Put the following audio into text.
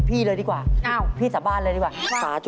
พี่เลยดีกว่าพี่สาบานเลยดีกว่าค่ะสาช่วยลูกขอสาบาน